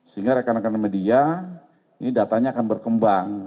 sehingga rekan rekan media ini datanya akan berkembang